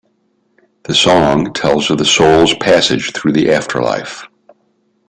The song tells of the soul's passage through the afterlife.